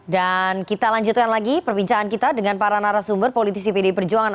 dan kita lanjutkan lagi perbincangan kita dengan para narasumber politisi pd perjuangan